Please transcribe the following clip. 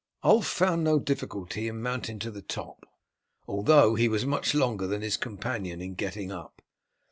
Ulf found no difficulty in mounting to the top, although he was much longer than his companion in getting up.